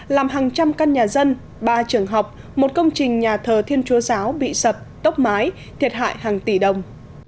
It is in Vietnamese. làm hàng trăm căn nhà dân ba trường học một công trình nhà thờ thiên chúa giáo bị sập tốc mái thiệt hại hàng tỷ đồng